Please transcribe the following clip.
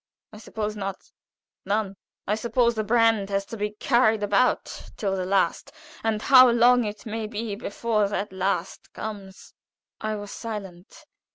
I suppose not no. I suppose the brand has to be carried about till the last; and how long it may be before that 'last' comes!" I was silent.